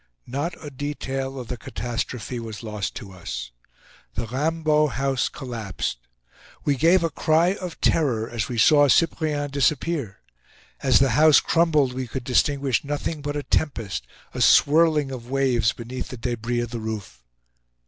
Not a detail of the catastrophe was lost to us. The Raimbeau house collapsed. We gave a cry of terror as we saw Cyprien disappear. As the house crumbled we could distinguish nothing but a tempest, a swirling of waves beneath the debris of the roof.